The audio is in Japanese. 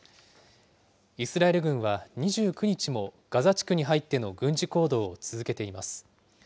イスラエル軍は２９日もガザ地区に入っての軍事行動を続けています。